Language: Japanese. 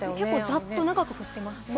ザッと長く降ってますね。